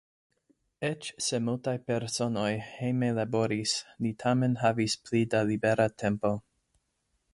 Eĉ se multaj personoj hejme laboris, ni tamen havis pli da libera tempo.